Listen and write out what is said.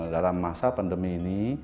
dalam masa pandemi ini